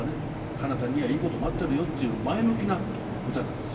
彼方にはいいこと待ってるよっていう前向きな歌なんです。